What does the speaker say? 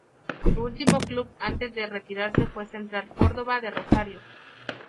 Su último club antes de retirarse fue Central Córdoba de Rosario.